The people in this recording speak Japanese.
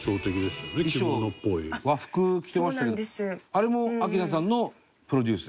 あれも明菜さんのプロデュースですか？